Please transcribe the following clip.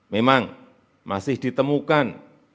memang masih ditemukan